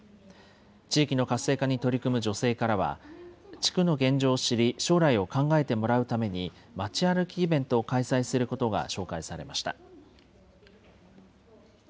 地域の活性化に取り組む女性からは、地区の現状を知り、将来を考えてもらうために、まち歩きイベントを開催することが紹介されました。